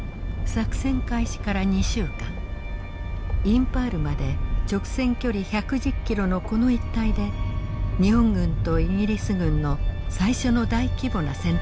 インパールまで直線距離１１０キロのこの一帯で日本軍とイギリス軍の最初の大規模な戦闘が起きました。